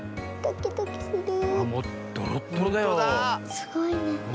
すごいね。